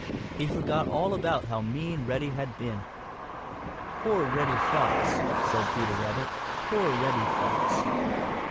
He forgot all about how mean Reddy had been. "Poor Reddy Fox," said Peter Rabbit. "Poor Reddy Fox."